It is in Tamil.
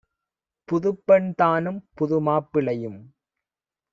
புதுப்பெண் தானும் புதுமாப் பிளையும்